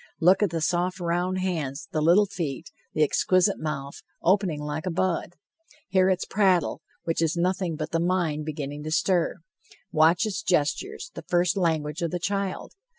Look at the soft round hands, the little feet, the exquisite mouth, opening like a bud! Hear its prattle, which is nothing but the mind beginning to stir! Watch its gestures, the first language of the child!